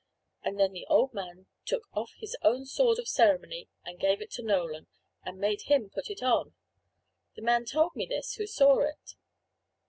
And then the old man took off his own sword of ceremony, and gave it to Nolan, and made him put it on. The man told me this who saw it.